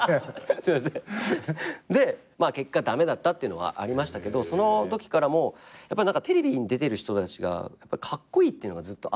でまあ結果駄目だったってのはありましたけどそのときからもやっぱテレビに出てる人たちがカッコイイっていうのがずっとあって。